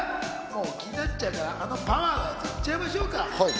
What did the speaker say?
気になっちゃうあのパワーからいっちゃいましょうか。